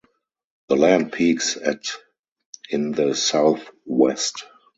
The land peaks at in the south west.